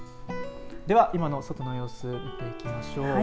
では、今の外の様子見ていきましょう。